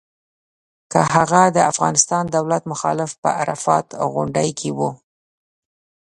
که هغه د افغانستان دولت مخالف په عرفات غونډۍ کې و.